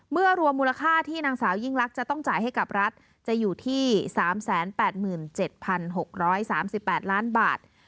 รวมมูลค่าที่นางสาวยิ่งลักษณ์จะต้องจ่ายให้กับรัฐจะอยู่ที่๓๘๗๖๓๘ล้านบาท